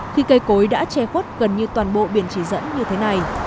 khi cây cối đã che khuất gần như toàn bộ biển chỉ dẫn như thế này